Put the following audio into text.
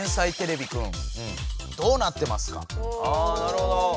あなるほど。